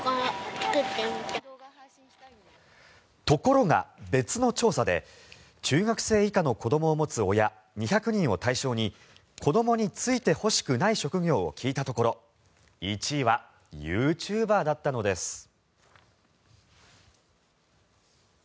ところが別の調査で中学生以下の子どもを持つ親２００人を対象に子どもに就いてほしくない職業を聞いたところ１位はユーチューバーだったのです。